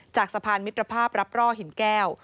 จากสะพานมิตรภาพรับร่อหินแก้ว